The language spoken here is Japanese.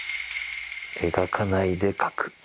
描かないで描く。